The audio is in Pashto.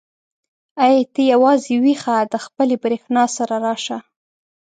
ای ته یوازې ويښه د خپلې برېښنا سره راشه.